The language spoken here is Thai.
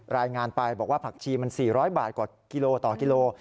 รายงานไปบอกว่าผักชีมัน๔๐๐บาทกว่ากิโลต่อกิโล